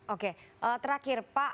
oke terakhir pak